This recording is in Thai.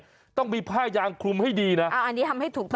มันต้องมีผ้ายางคลุมให้ดีนะอ่าอันนี้ทำให้ถูกต้อง